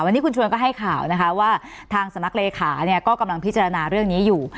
วันนี้คุณชวนก็ให้ข่าวนะคะว่าทางสำนักเลขาเนี่ยก็กำลังพิจารณาเรื่องนี้อยู่